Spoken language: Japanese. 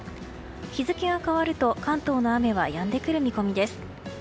日付が変わると関東の雨はやんでくる見込みです。